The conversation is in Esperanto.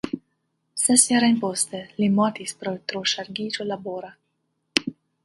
Ses jarojn poste li mortis pro troŝargiĝo labora.